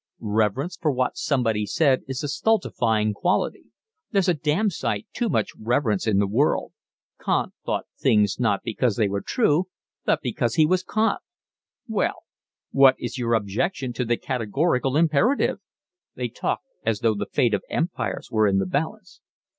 Reverence for what somebody said is a stultifying quality: there's a damned sight too much reverence in the world. Kant thought things not because they were true, but because he was Kant." "Well, what is your objection to the Categorical Imperative?" (They talked as though the fate of empires were in the balance.)